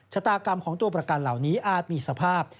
ชะตากรรมของตัวประกันเหล่านี้อาจมีสภาพ